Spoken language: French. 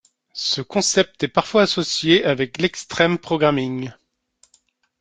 Ce concept est parfois associé avec l'extreme programming.